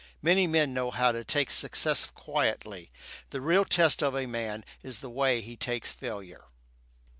Many men know how to take success quietly. The real test of a man is he way he takes failure.